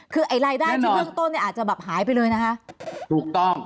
คือไล่ได้ที่เรื่องต้นเนี่ยอาจจะแบบหายไปเลยนะคะ